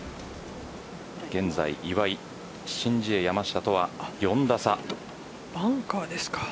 現在、岩井、申ジエ山下とはバンカーですか。